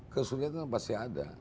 kesulitan pasti ada